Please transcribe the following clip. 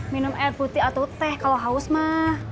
minum air putih atau teh kalau haus mah